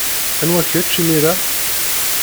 Anwa kečč, imir-a?